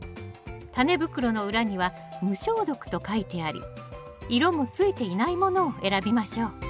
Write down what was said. タネ袋の裏には無消毒と書いてあり色もついていないものを選びましょう